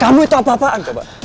kamu itu apa apaan coba